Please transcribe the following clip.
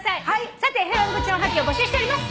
さて不平不満愚痴のおはがきを募集しております。